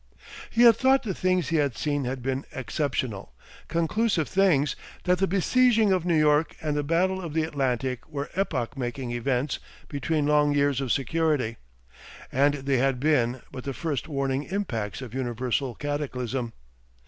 He had thought the things he had seen had been exceptional, conclusive things, that the besieging of New York and the battle of the Atlantic were epoch making events between long years of security. And they had been but the first warning impacts of universal cataclysm.